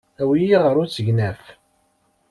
Awi-iyi ɣer usegnaf.